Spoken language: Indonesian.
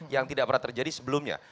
yang tidak pernah terjadi sebelumnya